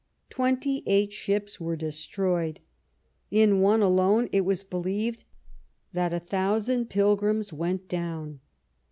Twenty eight ships were destroyed. In one alone it was believed that a thousand pilgrims went down.